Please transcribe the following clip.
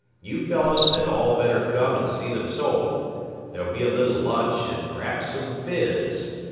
You fellows had all better come and see them sold. There'll be a little lunch, and perhaps some fizz.